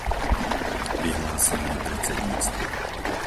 Vyhlásenie predsedníctva